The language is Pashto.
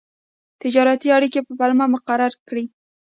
تجارتي اړیکو په پلمه مقرر کړ.